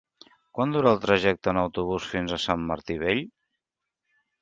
Quant dura el trajecte en autobús fins a Sant Martí Vell?